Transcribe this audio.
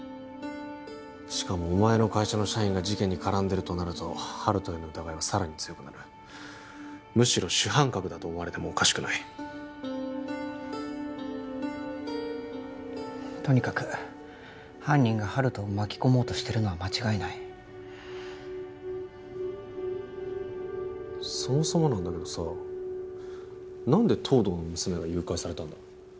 しかもお前の会社の社員が事件に絡んでるとなると温人への疑いはさらに強くなるむしろ主犯格だと思われてもおかしくないとにかく犯人が温人を巻き込もうとしてるのは間違いないそもそもなんだけどさ何で東堂の娘が誘拐されたんだ？